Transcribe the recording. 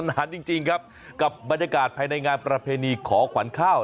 นานจริงครับกับบรรยากาศภายในงานประเพณีขอขวัญข้าว